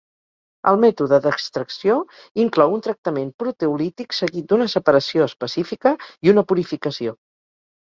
El mètode d'extracció inclou un tractament proteolític seguit d'una separació específica i una purificació.